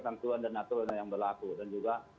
tentuan dan aturan yang berlaku dan juga